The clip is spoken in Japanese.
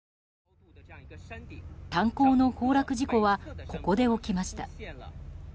炭鉱の崩落事故はここで起きました。